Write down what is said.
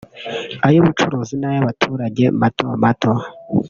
ay’ubucuruzi n’ay’abaturage mato mato"